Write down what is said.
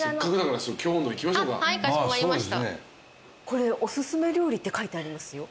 これ「オススメ料理」って書いてありますよ。